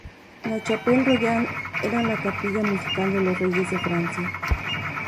La "Chapelle royale" era la capilla musical de los reyes de Francia.